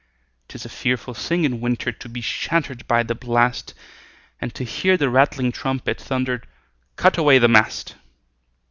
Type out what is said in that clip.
'Tis a fearful thing in winter To be shattered by the blast, And to hear the rattling trumpet Thunder, "Cut away the mast!"